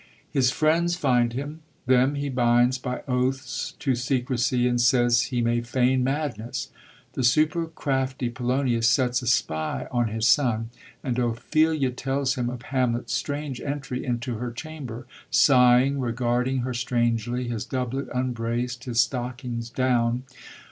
His friends find him ; them he binds by oaths to secrecy, and says he may feign madness. The super crafty Polonius sets a spy on his son, and Ophelia tells him of Hamlet's strange entry into her chamber, sighing, regarding her strangely, his doublet unbraced, his stockings down.